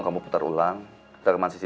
kau adalah adik yang baik